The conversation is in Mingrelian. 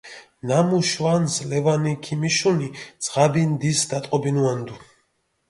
ნამუ შვანს ლევანი ქიმიშუნი, ძღაბი ნდის დატყობინუანდუ.